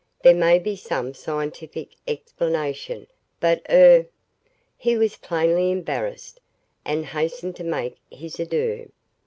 "There may be some scientific explanation but er " He was plainly embarrassed and hastened to make his adieux.